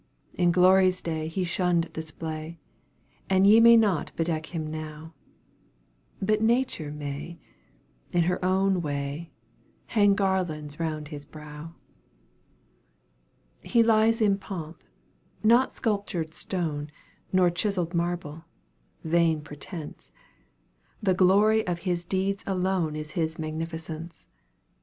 In glory's day he shunned display, And ye may not bedeck him now, But Nature may, in her own way, Hang garlands round his brow. He lies in pomp not sculptured stone, Nor chiseled marble vain pretence The glory of his deeds alone Is his magnificence.